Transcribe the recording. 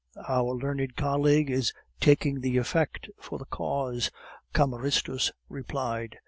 "Our learned colleague is taking the effect for the cause," Cameristus replied.